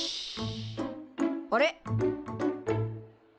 あれ？